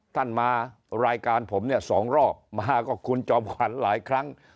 ท่านมารายการผมสองรอบมาก็คุณจอบขวัญหลายครั้ง